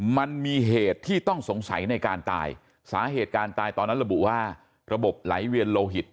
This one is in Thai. มันมีเหตุที่ต้องสงสัยในการตายสาเหตุการตายตอนนั้นระบุว่าระบบไหลเวียนโลหิต